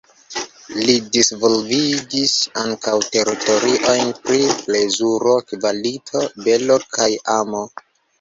Li disvolvigis ankaŭ teoriojn pri plezuro, kvalito, belo kaj amo.